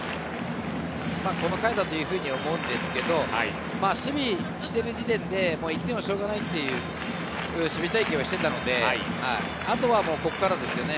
この回だと思うんですけど、守備している時点で１点はしょうがないっていう守備隊形をしていたので、あとはここからですよね。